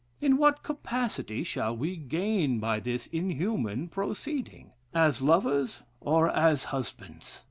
In what capacity shall we gain by this inhuman proceeding? As lovers, or as husbands?